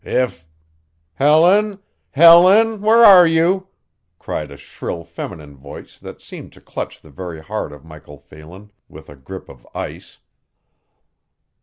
If" "Helen, Helen, where are you?" cried a shrill feminine voice that seemed to clutch the very heart of Michael Phelan with a grip of ice.